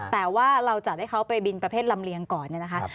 แต่ว่าเราจะได้เขาไปบินประเภทลำเลียงก่อนนะครับ